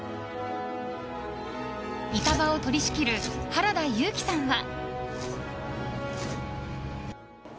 板場を取り仕切る原田雄生さんは。